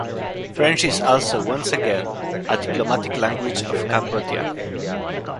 French is also once again, a diplomatic language of Cambodia.